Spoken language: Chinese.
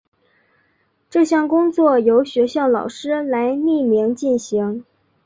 这项工作由学校老师来匿名进行。